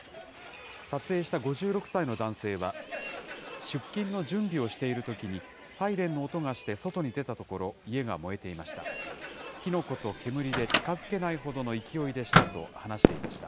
撮影した５６歳の男性は、出勤の準備をしているときに、サイレンの音がして外に出たところ、家が燃えていました。